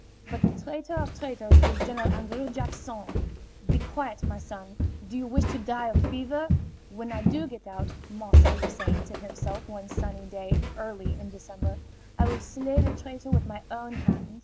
But the traitor of traitors is General An drrew Jack son. Be quiet, my son. Do you wish to die of fever?" "When I do get out," Marcel was saying to himself one sunny day early in December, "I will slay the traitor with my own hand."